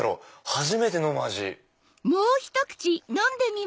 初めて飲む味。